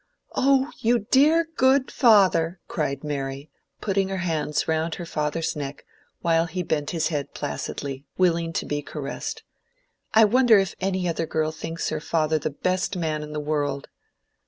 "Oh, you dear good father!" cried Mary, putting her hands round her father's neck, while he bent his head placidly, willing to be caressed. "I wonder if any other girl thinks her father the best man in the world!"